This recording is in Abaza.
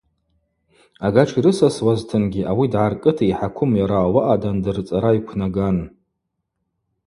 Ага тширысасуазтынгьи ауи дгӏаркӏыта йхӏаквым йара ауаъа дандырцӏара йквнаган.